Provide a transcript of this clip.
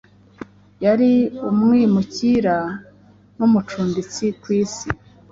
Yari umwimukira n’umucumbitsi ku isi,